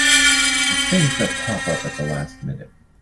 The things that pop up at the last minute!